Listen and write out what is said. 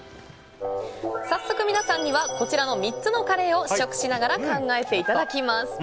早速、皆さんにはこちらの３つのカレーを試食しながら考えていただきます。